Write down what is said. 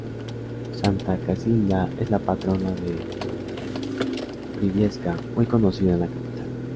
Santa Casilda es la patrona de Briviesca, muy conocida en la capital.